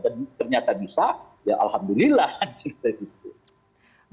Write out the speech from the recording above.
dan ternyata bisa ya alhamdulillah dan seperti itu